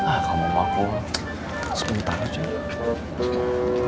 ah kamu mau ngobrol sebentar aja